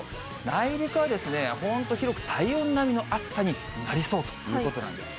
内陸は本当広く体温並みの暑さになりそうということなんです。